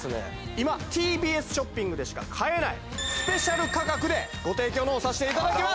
今ＴＢＳショッピングでしか買えないスペシャル価格でご提供の方さしていただきます！